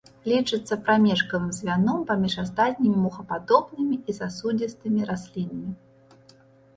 Лічыцца прамежкавым звяном паміж астатнімі мохападобнымі і сасудзістымі раслінамі.